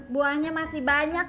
buahnya masih banyak